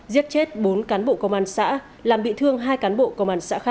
giết chết bốn cán bộ công an xã làm bị thương hai cán bộ